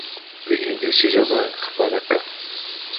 دوی انګلیسي ژبه خپره کړه.